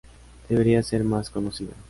Debería ser más conocida.